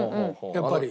やっぱり？